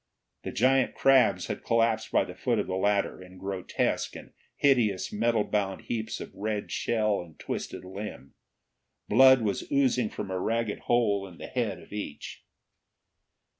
The giant crabs had collapsed by the foot of the ladder, in grotesque and hideous metal bound heaps of red shell and twisted limb. Blood was oozing from a ragged hole in the head of each.